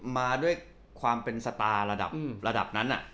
มาด้วยความเป็นสตาร์ระดับนั้น